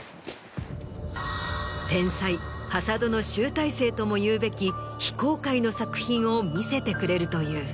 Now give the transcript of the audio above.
天才挾土の集大成ともいうべき非公開の作品を見せてくれるという。